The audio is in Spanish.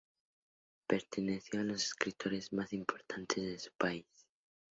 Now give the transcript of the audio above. Perteneció a los escritores más importantes de su país.